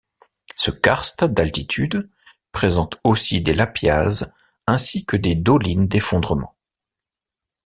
Ce karst d'altitude présente aussi des lapiaz ainsi que des dolines d'effondrement.